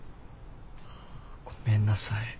ごめんなさい。